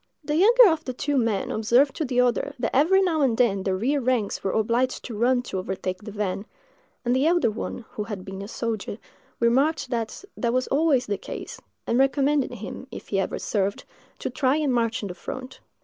The younger of the two men observed to the other that every now and then the rear ranks were obliged to run to overtake the van; and the elder one, who had been a soldier, remarked that that was always the case, and recommended him, if he ever served, to try and march in the front.